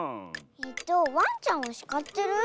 えっとわんちゃんをしかってる？